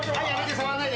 触んないで。